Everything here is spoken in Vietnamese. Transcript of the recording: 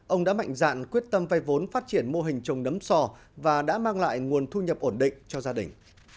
ông đã mạnh dạn quyết tâm vay vốn phát triển mô hình trồng nấm sò và đã mang lại nguồn thu nhập ổn định cho gia đình